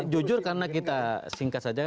jujur karena kita singkat saja